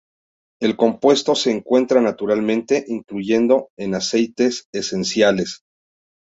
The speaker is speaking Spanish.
El compuesto se encuentra naturalmente, incluyendo en aceites esenciales.